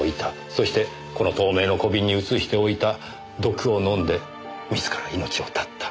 そしてこの透明の小瓶に移しておいた毒を飲んで自ら命を絶った。